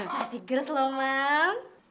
masih gres loh mam